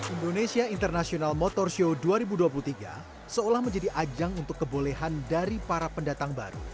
indonesia international motor show dua ribu dua puluh tiga seolah menjadi ajang untuk kebolehan dari para pendatang baru